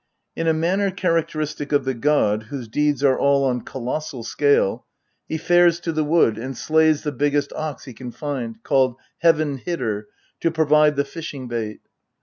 In a manner characteristic of the god, whose deeds are all on colossal scale, he fares to the wood and slays the biggest ox he can find, called Heaven hitter, to provide the fishing bait.